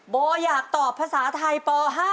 โบอยากตอบภาษาไทยป๕